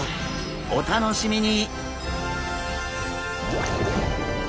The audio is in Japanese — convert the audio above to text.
お楽しみに！